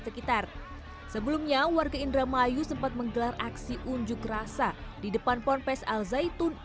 sekitar sebelumnya warga indramayu sempat menggelar aksi unjuk rasa di depan ponpes al zaitun